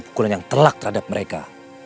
pukulan yang telak terhadap mereka